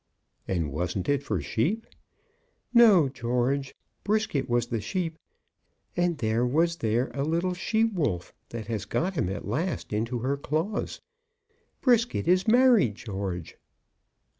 "And wasn't it for sheep?" "No, George. Brisket was the sheep, and there was there a little she wolf that has got him at last into her claws. Brisket is married, George."